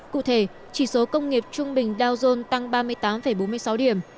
cụ thể chỉ số công nghiệp trung bình dow jones tăng ba mươi tám bốn mươi sáu điểm